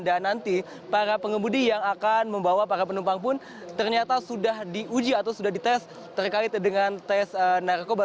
dan nanti para pengemudi yang akan membawa para penumpang pun ternyata sudah diuji atau sudah dites terkait dengan tes narkoba